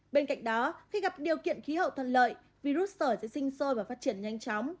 bên cạnh đó khi gặp điều kiện khí hậu thân lợi virus sởi sẽ sinh sôi và phát triển nhanh chóng